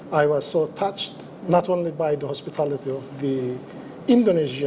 bukan hanya oleh keberadaan komite organisasi indonesia